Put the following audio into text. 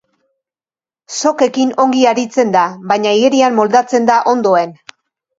Sokekin ongi aritzen da, baina igerian moldatzen da ondoen.